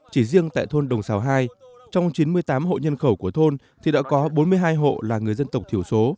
chỉ riêng tại thôn đồng xào hai trong chín mươi tám hộ nhân khẩu của thôn thì đã có bốn mươi hai hộ là người dân tộc thiểu số